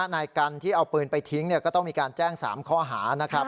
ในการที่เอาปืนไปทิ้งเนี้ยก็ต้องมีการแจ้งสามข้อหานะครับ